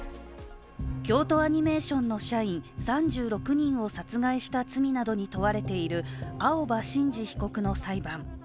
京都アニメーションの社員３６人を殺害した罪などに問われている青葉真司被告の裁判。